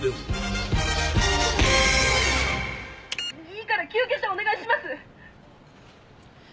「いいから救急車をお願いします！」